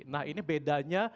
nah ini bedanya